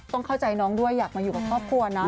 ต้องเข้าใจน้องด้วยอยากมาอยู่กับครอบครัวนะ